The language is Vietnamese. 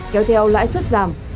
kéo theo lãi suất giảm